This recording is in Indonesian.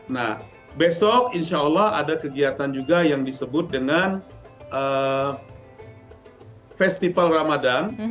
nah besok insya allah ada kegiatan juga yang disebut dengan festival ramadan